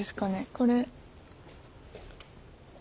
これ。